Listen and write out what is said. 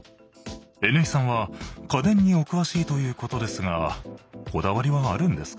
Ｎ井さんは家電にお詳しいということですがこだわりはあるんですか？